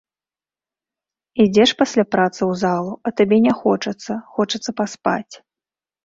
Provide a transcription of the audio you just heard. Ідзеш пасля працы ў залу, а табе не хочацца, хочацца паспаць.